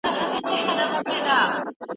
ایا ته له خپل استاد سره بحث کوې؟